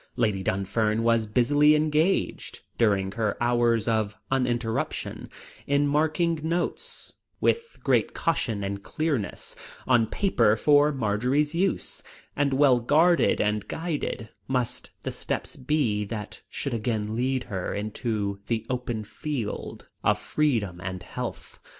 Lady Dunfern was busily engaged, during her hours of uninterruption, in marking notes, with great caution and clearness, on paper for Marjory's use; and well guarded and guided must the steps be that should again lead her into the open field of freedom and health.